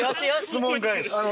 質問返し。